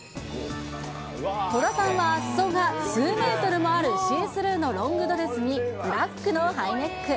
戸田さんはすそが数メートルもある、シースルーのロングドレスに、ブラックのハイネック。